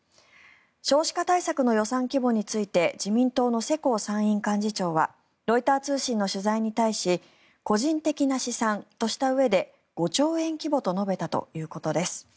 少子化対策の予算規模について自民党の世耕参院幹事長はロイター通信の取材に対し個人的な試算としたうえで５兆円規模と述べたということです。